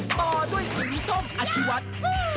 ต่อด้วยสีส้มอธิวัฒน์